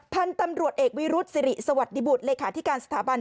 ท่านตำรวจเอกวิรุฑสิริสวัสดิบุตรเลขาที่การสถาบัน